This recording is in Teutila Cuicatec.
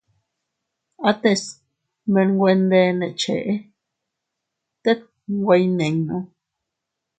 Ates menwe nde ne cheʼe tet nwe iyninnu.